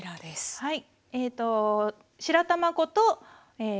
はい。